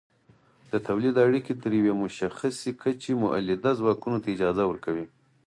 د تولید اړیکې تر یوې مشخصې کچې مؤلده ځواکونو ته اجازه ورکوي.